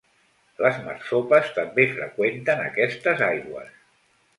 Les marsopes també freqüenten aquestes aigües.